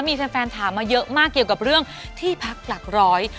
มีแฟนถามมาเยอะมากเกี่ยวกับเรื่องที่พักหลักร้อย